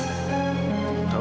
kita kacau ulang ya nek